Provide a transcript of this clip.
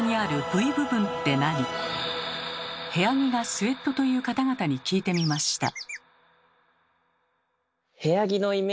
部屋着がスウェットという方々に聞いてみました。